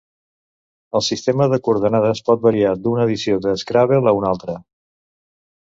El sistema de coordenades pot variar d'una edició de Scrabble a una altra.